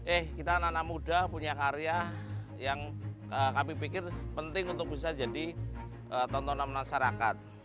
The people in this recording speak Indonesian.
eh kita anak anak muda punya karya yang kami pikir penting untuk bisa jadi tontonan masyarakat